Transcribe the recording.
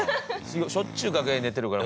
しょっちゅう楽屋で寝てるから。